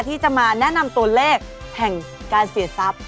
ที่จะมาแนะนำตัวเลขแห่งการเสียทรัพย์